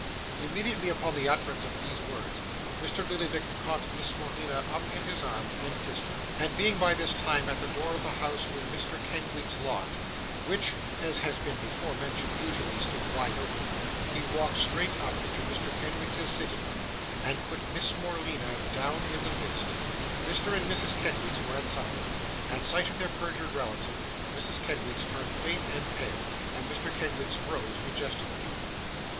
Immediately upon the utterance of these words, Mr. Lillyvick caught Miss Morleena up in his arms, and kissed her; and, being by this time at the door of the house where Mr. Kenwigs lodged (which, as has been before mentioned, usually stood wide open), he walked straight up into Mr Kenwigs's sitting room, and put Miss Morleena down in the midst. Mr. and Mrs. Kenwigs were at supper. At sight of their perjured relative, Mrs Kenwigs turned faint and pale, and Mr. Kenwigs rose majestically.